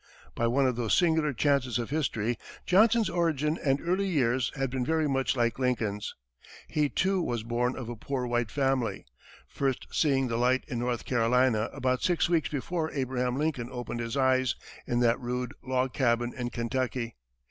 By one of those singular chances of history, Johnson's origin and early years had been very much like Lincoln's. He, too, was born of a "poor white" family; first seeing the light in North Carolina about six weeks before Abraham Lincoln opened his eyes in that rude log cabin in Kentucky.